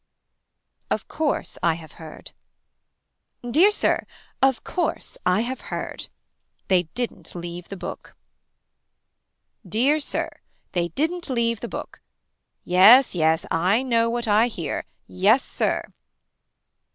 Of course I have heard. Dear Sir. Of course I have heard. They didn't leave the book. Dear Sir. They didn't leave the book. Yes Yes. I know what I hear. Yes sir.